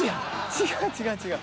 違う違う違う。